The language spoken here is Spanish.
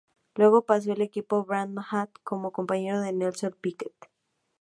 Luego paso al equipo Brabham como compañero de Nelson Piquet.